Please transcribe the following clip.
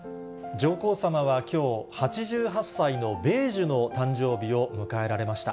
上皇さまはきょう、８８歳の米寿の誕生日を迎えられました。